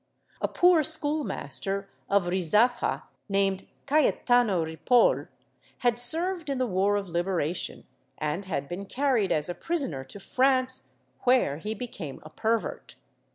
A poor schoolmaster of Rizaffa, named Cayetano Ripoh, had served in the War of Liberation and had been carried as a prisoner to France, where he became a pervert.